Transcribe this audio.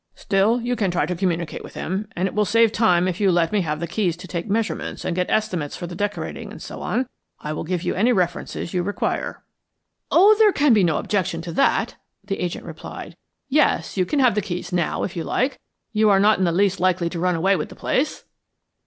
"Still, you can try to communicate with him, and it will save time if you let me have the keys to take measurements and get estimates for the decorating, and so on. I will give you any references you require." "Oh, there can be no objection to that," the agent replied. "Yes, you can have the keys now, if you like. You are not in the least likely to run away with the place."